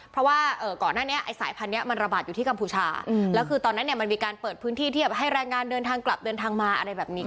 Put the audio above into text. เพราะว่าก่อนหน้านี้ไอ้สายพันธุนี้มันระบาดอยู่ที่กัมพูชาแล้วคือตอนนั้นเนี่ยมันมีการเปิดพื้นที่ที่ให้แรงงานเดินทางกลับเดินทางมาอะไรแบบนี้